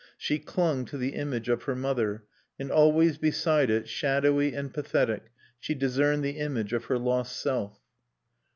She clung to the image of her mother; and always beside it, shadowy and pathetic, she discerned the image of her lost self.